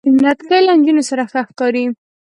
نتکۍ له نجونو سره ښه ښکاری.